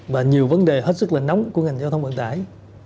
và nhiều vấn đề hết sức là nóng của ngành giao thông vận tải